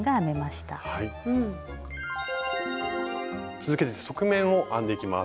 続けて側面を編んでいきます。